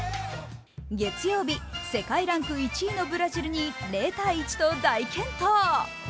月曜日、世界ランク１位のブラジルに０−１と大健闘。